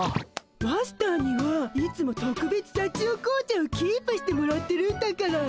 マスターにはいつもとくべつさちよ紅茶をキープしてもらってるんだから。